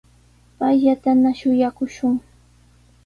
Payllatana shuyaakushun.